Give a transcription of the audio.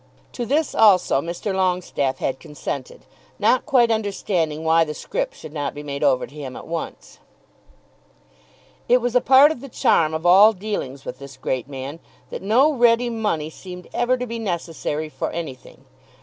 To this also Mr. Longestaffe had consented, not quite understanding why the scrip should not be made over to him at once. It was a part of the charm of all dealings with this great man that no ready money seemed ever to be necessary for anything.